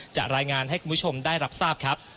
จะรายงานให้คุณผู้ชมได้รับทราบครับ